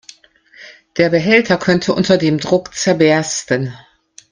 Der Behälter könnte unter dem Druck zerbersten.